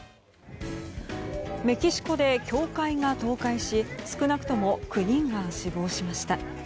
メキシコで教会が倒壊し少なくとも９人が死亡しました。